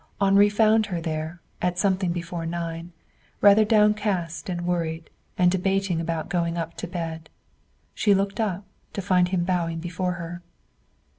Henri found her there, at something before nine, rather downcast and worried, and debating about going up to bed. She looked up, to find him bowing before her.